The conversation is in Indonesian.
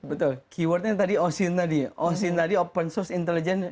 betul keywordnya tadi osin tadi osin tadi open source intelligence